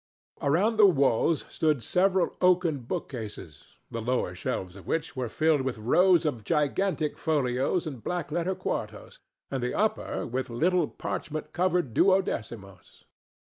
Around the walls stood several oaken bookcases, the lower shelves of which were filled with rows of gigantic folios and black letter quartos, and the upper with little parchment covered duodecimos.